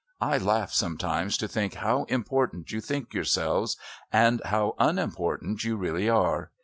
I laugh sometimes to think how important you think yourselves and how unimportant you really are.